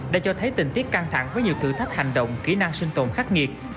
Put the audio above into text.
đã cho thấy tình tiết căng thẳng với nhiều thử thách hành động kỹ năng sinh tồn khắc nghiệt